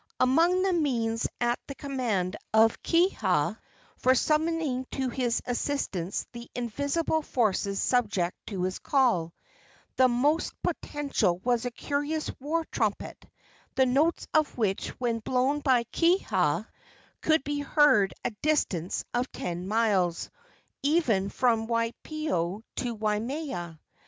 Among the means at the command of Kiha for summoning to his assistance the invisible forces subject to his call, the most potential was a curious war trumpet, the notes of which, when blown by Kiha, could be heard a distance of ten miles, even from Waipio to Waimea.